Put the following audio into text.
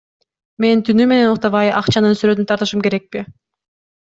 Мен түнү менен уктабай акчанын сүрөтүн тартышым керекпи?